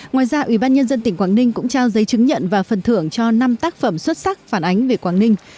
ngoài ra ủy ban nhân dân tỉnh quảng ninh cũng trao giấy chứng nhận và phần thưởng cho năm tác phẩm xuất sắc phản ánh về quảng ninh